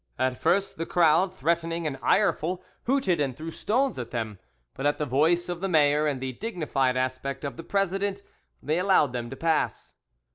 At first the crowd, threatening and ireful, hooted and threw stones at them, but at the voice of the mayor and the dignified aspect of the president they allowed them to pass.